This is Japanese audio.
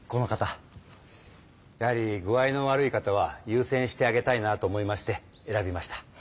やはり具合の悪い方はゆうせんしてあげたいなと思いまして選びました。